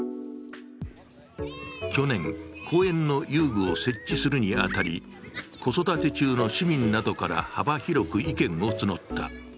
去年、公園の遊具を設置するに当たり子育て中の市民などから幅広く意見を募った。